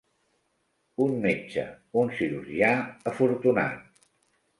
Un metge, un cirurgià, afortunat.